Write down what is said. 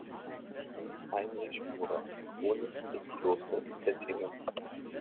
Heinrich Murer: Chronik des Klosters Wettingen.